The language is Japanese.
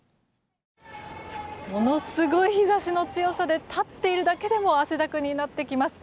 ものすごい日差しの強さで立っているだけでも汗だくになってきます。